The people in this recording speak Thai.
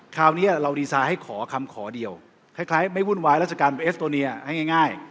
คราวนี้เราดีไซน์ให้ขอคำขอเดียวคล้ายไม่วุ่นวายราชการเอสโตเนียให้ง่าย